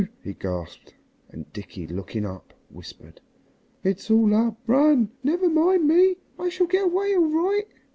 he gasped, and Dickie, looking up, whispered, "It's all up run. Never mind me. I shall get away all right."